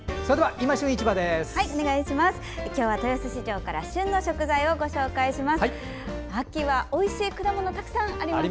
今日は豊洲市場から旬の食材をご紹介します。